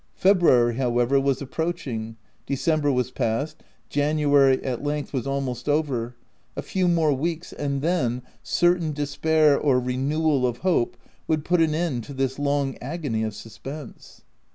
February, however, was approaching ; Decem ber was past, January, at length, was almost over — a few more weeks, and then, certain despair or renewal of hope would put an end to this long agony of suspense.